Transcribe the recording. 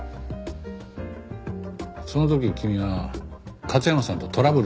その時君は勝山さんとトラブルになったのかい？